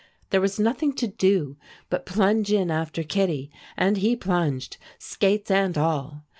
There was nothing to do but plunge in after Kittie, and he plunged, skates and all.